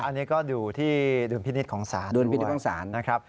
อันนี้ก็ดูที่ดุลพินิษฐ์ของศาลดุลพินิษฐ์ของศาลนะครับ